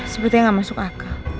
sepertinya gak masuk akal